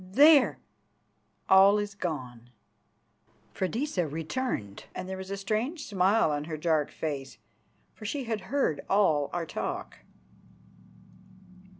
"There! All is gone." Freydisa returned and there was a strange smile on her dark face, for she had heard all our talk.